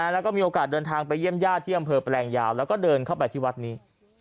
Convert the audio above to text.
แล้วก็มีโอกาสเดินทางไปเยี่ยมญาติที่อำเภอแปลงยาวแล้วก็เดินเข้าไปที่วัดนี้